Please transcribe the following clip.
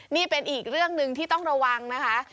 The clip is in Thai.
นี่เป็นอีกเรื่องหนึ่งที่ต้องระวังนะคะ